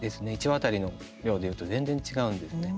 １話当たりの量でいうと全然、違うんですね。